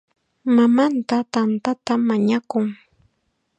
Mamanta tantata mañakun.